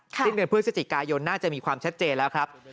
สิ้นเดือนพฤศจิกายนน่าจะมีความชัดเจนแล้วครับ